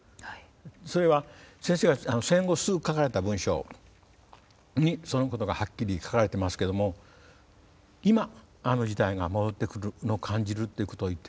それは先生が戦後すぐ書かれた文章にそのことがはっきり書かれてますけども今あの時代が戻ってくるのを感じるっていうことを言っておられた。